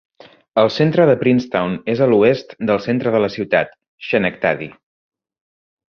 El centre de Princetown és a l'oest del centre de la ciutat, Schenectady.